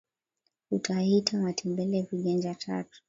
utahita matembele Viganja tatu